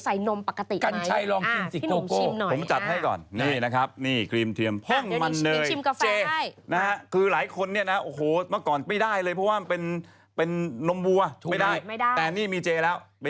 มันเป็นชนิดพร่องไขมันนะคะสูตรถั่วเหลืองนะคะตามาลิ